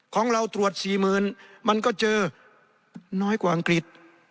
ของเราตรวจ๔๐๐๐มันก็เจอน้อยกว่าอังกฤษ